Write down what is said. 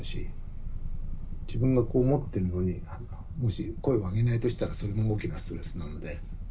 自分がこう思ってんのにもし声を上げないとしたらそれも大きなストレスなので。